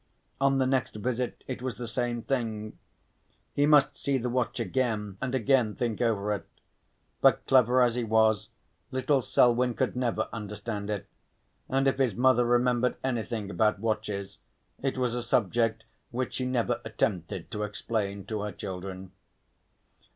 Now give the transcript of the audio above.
On the next visit it was the same thing. He must see the watch again, and again think over it. But clever as he was, little Selwyn could never understand it, and if his mother remembered anything about watches it was a subject which she never attempted to explain to her children.